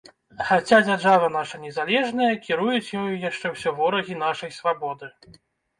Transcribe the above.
Хаця дзяржава наша незалежная, кіруюць ёю яшчэ ўсё ворагі нашай свабоды.